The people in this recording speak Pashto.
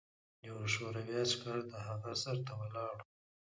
یو شوروي عسکر د هغه سر ته ولاړ و